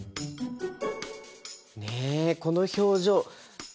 ねえこの表情！